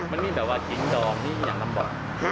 มันมีแบบว่าขิงดอกมีอย่างน้ำบอก